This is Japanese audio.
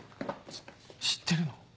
知ってるの？